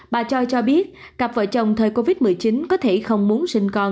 bà choi cho biết cặp vợ chồng thời covid một mươi chín có thể không muốn sinh con